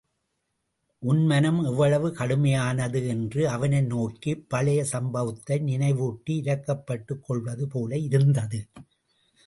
உன் மனம் எவ்வளவு கடுமையானது? என்று அவனை நோக்கிப் பழைய சம்பவத்தை நினைவூட்டி இரக்கப்பட்டுக் கொள்வது போல இருந்தது.